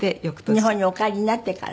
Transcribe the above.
日本にお帰りになってから？